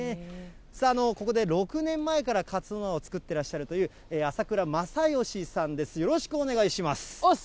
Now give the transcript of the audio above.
さあ、ここで６年前からかつお菜を作ってらっしゃるという、朝倉正嘉さんです。